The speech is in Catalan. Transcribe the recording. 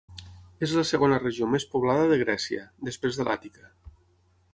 És la segona regió més poblada de Grècia, després de l'Àtica.